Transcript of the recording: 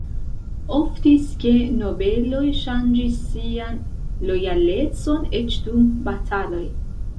Oftis ke nobeloj ŝanĝis sian lojalecon, eĉ dum bataloj.